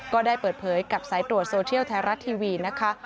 ก็ได้เปิดเผยกับสายตรวจโซเทียลไทยรัฐทีวีนะคะ